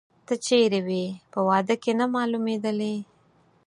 ته چیري وې، په واده کې نه مالومېدلې؟